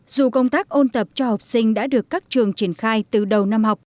dù công tác ôn tập cho học sinh đã được các trường triển khai từ đầu năm học